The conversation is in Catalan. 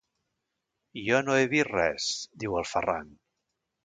Jo no he vist res —diu el Ferran—.